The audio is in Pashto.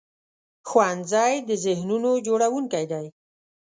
ښوونځی د ذهنونو جوړوونکی دی